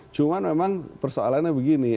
cuman memang persoalannya begini